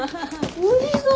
おいしそう。